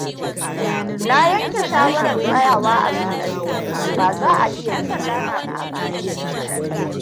Na yanke shawarar tsayawa a soyayyar. Ba za a a iya jure tsana ba.